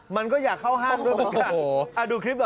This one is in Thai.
มันก็อยากเข้าห้างด้วยบ้าง